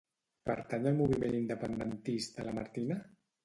Pertany al moviment independentista la Martina?